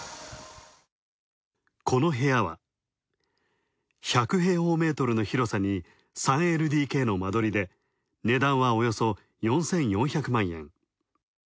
この部屋は、１００平方ｍの広さに３ＬＤＫの間取りで値段はおよそ４４００万円。